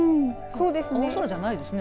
青空じゃないですね。